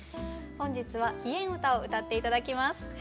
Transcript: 本日は「緋炎歌」を歌って頂きます。